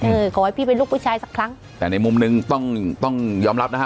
เออขอให้พี่เป็นลูกผู้ชายสักครั้งแต่ในมุมหนึ่งต้องต้องยอมรับนะฮะ